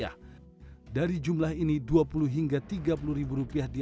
rata rata perbulan masyarakat harus menggunakan aliran listrik yang lebih stabil